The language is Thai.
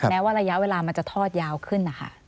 แม้ว่าระยะเวลามันจะทอดยาวขึ้นนะคะ